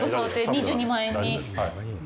２２万円に。